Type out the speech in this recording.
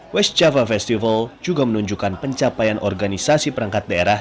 west java festival juga menunjukkan pencapaian organisasi perangkat daerah